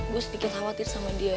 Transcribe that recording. gue sedikit khawatir sama dia